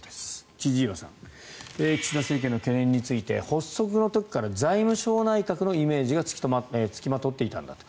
千々岩さん岸田政権の懸念について発足の時から財務省内閣のイメージが付きまとっていたんだと。